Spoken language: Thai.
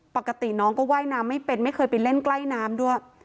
ปกติน้องก็ว่ายน้ำไม่เป็นไม่เคยไปเล่นใกล้น้ำด้วย